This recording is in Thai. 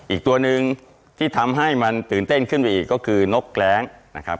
อีกตัวหนึ่งที่ทำให้มันตื่นเต้นขึ้นไปอีกก็คือนกแรงนะครับ